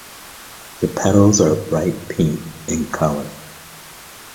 The petals are bright pink in color.